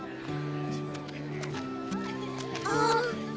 あっ。